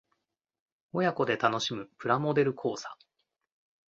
親子で楽しむプラモデル講座